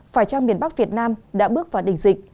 phải chăng miền bắc việt nam đã bước vào đỉnh dịch